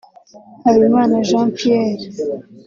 Habimana Jean Pierre